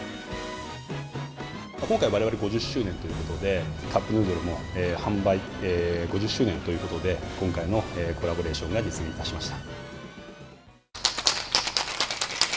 今回、われわれ５０周年ということで、カップヌードルも販売５０周年ということで、今回のコラボレーションが実現いたしました。